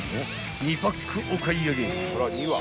［２パックお買い上げ］